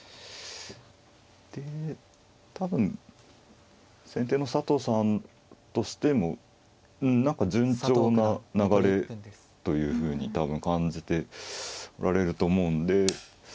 多分先手の佐藤さんとしてもなんか順調な流れというふうに多分感じてられると思うんで。